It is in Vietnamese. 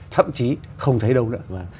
thậm chí không thấy đâu nữa